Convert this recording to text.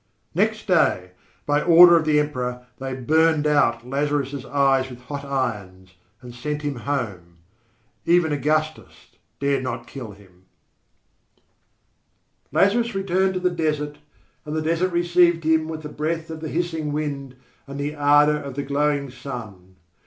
Next day, by order of the Emperor, they burned out Lazarus' eyes with hot irons and sent him home. Even Augustus dared not kill him. Lazarus returned to the desert and the desert received him with the breath of the hissing wind and the ardour of the glowing sun.